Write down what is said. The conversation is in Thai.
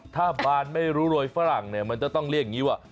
ถ้าบานไม่รู้รวยฝรั่งเนี่ยมันจะต้องเรียกอย่างนี้ว่า